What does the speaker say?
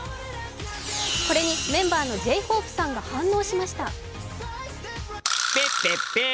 これにメンバーのＪ−ＨＯＰＥさんが反応しました。